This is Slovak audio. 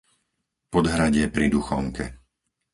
Podhradie pri Duchonke